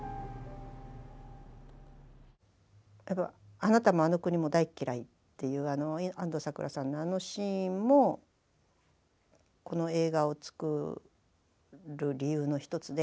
「あなたもあの国も大嫌い！」っていう安藤サクラさんのあのシーンもこの映画を作る理由の一つであのセリフを言いたいっていう。